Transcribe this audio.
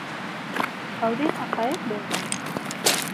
او ډیر حقایق بیانوي.